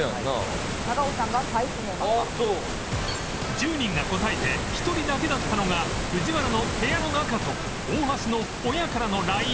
１０人が答えて１人だけだったのが藤原の部屋の中と大橋の親からの ＬＩＮＥ